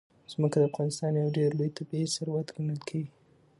ځمکه د افغانستان یو ډېر لوی طبعي ثروت ګڼل کېږي.